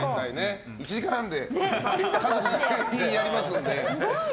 １時間半で家族やりますので。